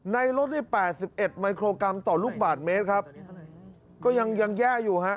ในรถนี่๘๑มิโครกรัมต่อลูกบาทเมตรครับก็ยังยังแย่อยู่ฮะ